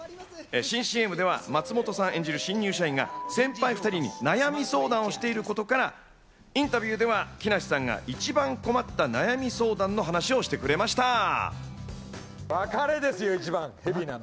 新ＣＭでは松本さん演じる社員たちが先輩２人に悩み相談をしていることからインタビューでは木梨さんが一番困った悩み相談の話をしてくれました。